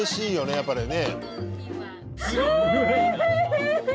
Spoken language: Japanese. やっぱりね。